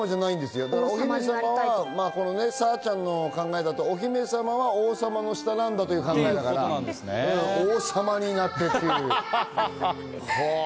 さぁちゃんの考えだと、お姫様は王様の下なんだという考えだから、王様になってという。